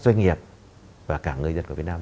doanh nghiệp và cả người dân của việt nam